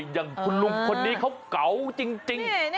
อย่างคุณลุงคนนี้เขาเก๋าจริง